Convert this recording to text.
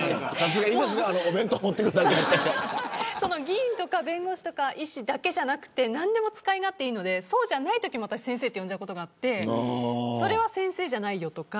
議員や弁護士や医師だけでなく何でも使い勝手がいいのでそうじゃないときも先生と呼んでしまうことがあってそれは先生じゃないよとか。